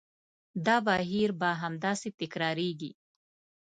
دا بهیر به همداسې تکرارېږي.